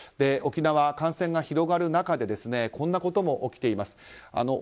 沖縄、感染が広がる中でこんなことも起きています。